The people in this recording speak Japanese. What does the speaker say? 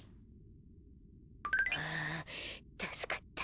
はあたすかった。